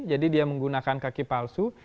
dia menggunakan kaki palsu